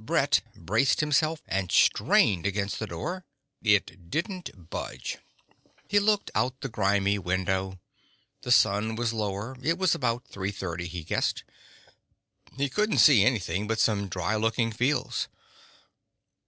Brett braced himself and strained against the door. It didn't budge. He looked out the grimy window. The sun was getting lower. It was about three thirty, he guessed. He couldn't see anything but some dry looking fields.